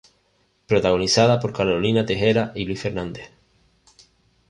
Protagonizada por Carolina Tejera y Luis Fernández.